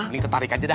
ini ketarik aja dah